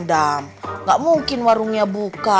tidak mungkin warungnya buka